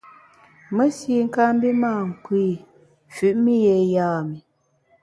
Mesi kâ mbi mâ nkpù i, mfüt mi yé yam’i.